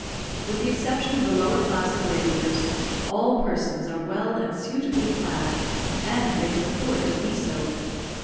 With the exception of the lower class of labourers, all persons are well and suitably clad, and they can afford to be so.